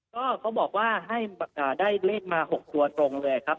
ก็เขาบอกว่าให้ได้เลขมา๖ตัวตรงเลยครับ